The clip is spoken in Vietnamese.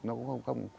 nó cũng không